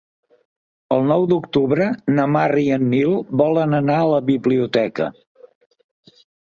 El nou d'octubre na Mar i en Nil volen anar a la biblioteca.